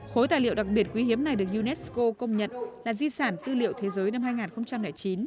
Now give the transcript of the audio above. khối tài liệu đặc biệt quý hiếm này được unesco công nhận là di sản tư liệu thế giới năm hai nghìn chín